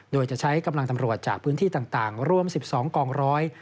โดยจะใช้กำลังตำรวจจากพื้นที่ต่างรวม๑๒กองร้อย